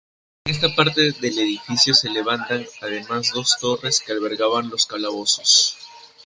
En esta parte del edificio se levantan, además, dos torres que albergaban los calabozos.